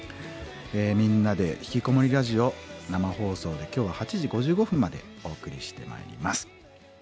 「みんなでひきこもりラジオ」生放送で今日は８時５５分までお送りしてまいります。